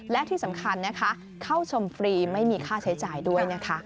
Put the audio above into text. และที่สำคัญนะคะเข้าชมฟรีไม่มีค่าใช้จ่ายด้วยนะคะ